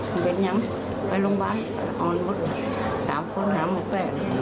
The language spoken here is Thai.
ไม่เป็นย้ำไปโรงพยาบาลต้องกด๓คนหา๑แปล